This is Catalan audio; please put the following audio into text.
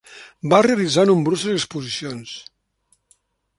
Va realitzar nombroses exposicions.